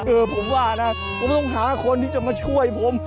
เออผมว่านะผมต้องหาคนที่จะมาช่วยผม